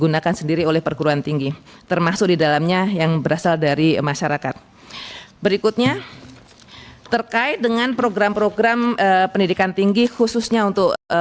ya terima kasih pimpinan